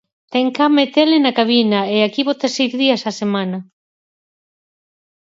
Ten cama e tele na cabina e aquí bota seis días á semana.